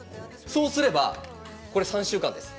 そうすれば、こちら３週間です。